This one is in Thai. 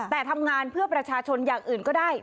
แต่ทำงานเพื่อประชาชนอย่างอื่นก็ได้